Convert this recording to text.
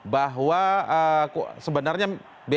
bahwa sebenarnya bap dari bu miriam ini